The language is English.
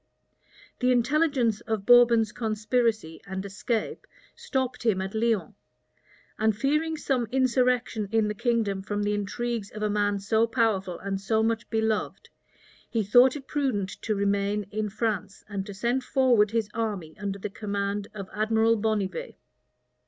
The intelligence of Bourbon's conspiracy and escape stopped him at Lyons; and fearing some insurrection in the kingdom from the intrigues of a man so powerful and so much beloved, he thought it prudent to remain in France and to send forward his army under the command of Admiral Bonnivet.